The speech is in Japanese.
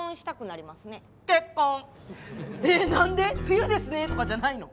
「冬ですね」とかじゃないの？